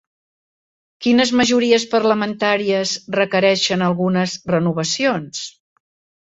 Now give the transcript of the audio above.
Quines majories parlamentàries requereixen algunes renovacions?